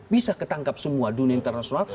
bisa ketangkap semua dunia internasional